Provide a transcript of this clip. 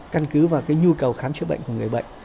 căn cứ vào nhu cầu khám chữa bệnh của người bệnh